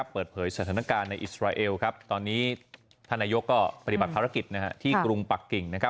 เปิดเผยสถานการณ์ในอิสราเอลตอนนี้ท่านนายกก็ปฏิบัติภารกิจที่กรุงปักกิ่ง